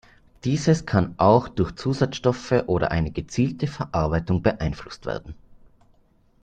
Dieses kann auch durch Zusatzstoffe oder eine gezielte Verarbeitung beeinflusst werden.